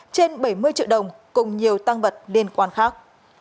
trên bảy mươi triệu đồng cùng nhiều tăng vật liên quan khác